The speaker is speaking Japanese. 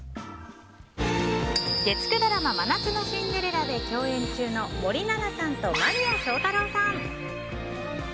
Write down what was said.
月９ドラマ「真夏のシンデレラ」で共演中の森七菜さんと間宮祥太朗さん。